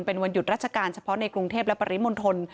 เป็นวันหยุดราชการเฉพาะในกรุงเทพและปริมณฑล